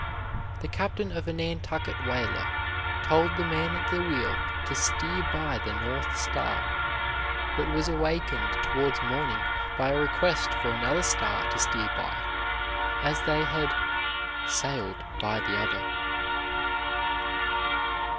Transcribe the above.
The captain of a Nantucket whaler told the man at the wheel to steer by the North Star, but was awakened towards morning by a request for another star to steer by, as they had "sailed by the other."